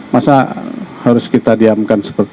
masa harus kita diamkan